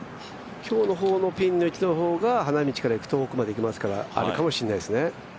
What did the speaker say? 今日の方のピンの位置の方が花道の方からいくかもしれないですからあるかもしれないですね。